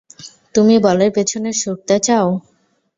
তুমি বলের পেছনে ছুটতে চাও!